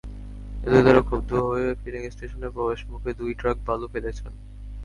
এতে তাঁরা ক্ষুব্ধ হয়ে ফিলিং স্টেশনে প্রবেশমুখে দুই ট্রাক বালু ফেলে যান।